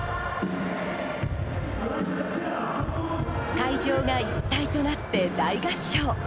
会場が一体となって大合唱。